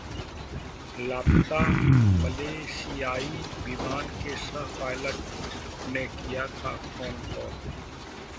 लापता मलेशियाई विमान के सह पायलट ने किया था फोन कॉल